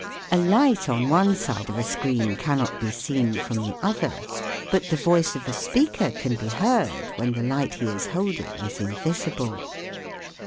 A light on one side of a screen cannot be seen from the other ; but the voice of a speaker can be heard when the light he is holding is invisible.